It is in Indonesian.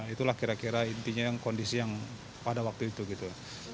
itulah kira kira intinya yang kondisi yang pada waktu itu gitu